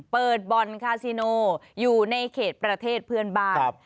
เปิดบ่อนคาซิโนอยู่ในเขตประเทศเพื่อนบ้าน